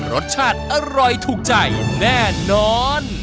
รสชาติอร่อยถูกใจแน่นอน